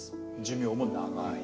寿命も長い。